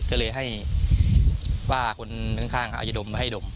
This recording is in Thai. ก็เลยให้ป้าคนข้างเขาอาจจะดมมาให้ดม